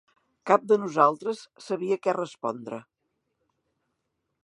Cap de nosaltres sabia què respondre.